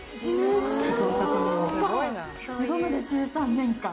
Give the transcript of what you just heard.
消しゴムで１３年間。